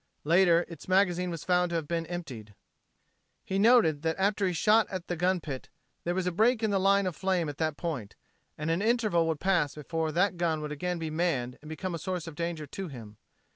Later its magazine was found to have been emptied. He noted that after he shot at a gun pit, there was a break in the line of flame at that point, and an interval would pass before that gun would again be manned and become a source of danger to him.